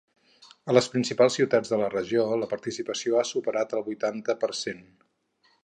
A les principals ciutats de la regió la participació ha superat el vuitanta per cent.